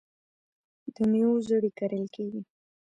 د میوو زړې کرل کیږي.